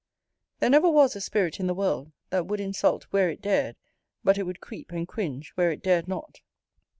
There never was a spirit in the world that would insult where it dared, but it would creep and cringe where it dared not.